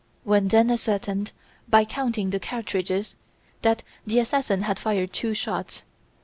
We then ascertained, by counting the cartridges, that the assassin had fired two shots.